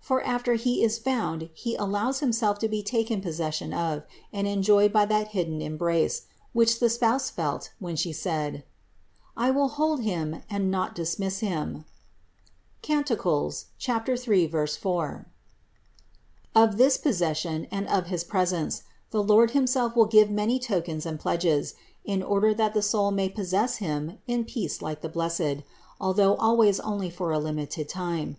For after He is found He allows Himself to be taken possession of and enjoyed by that hidden embrace, which the Spouse felt, when She said: "I will hold Him and not dismiss Him" (Cant. 3, 4). Of this possession and of his presence the Lord himself will give many token and pledges, in order that the soul may possess Him in peace like the blessed, although always only for a limited time.